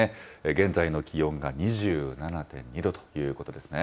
現在の気温が２７．２度ということですね。